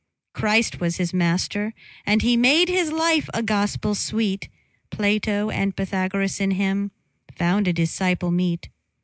Christ was his Master, and he made His life a gospel sweet; Plato and Pythagoras in him Found a disciple meet.